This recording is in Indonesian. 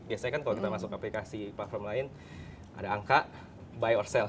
biasanya kan kalau kita masuk ke aplikasi platform lain ada angka buy or sell